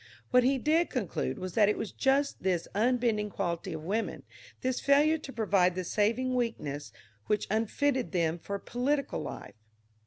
What he did conclude was that it was just this unbending quality of women, this failure to provide the saving weakness, which unfitted them for political life.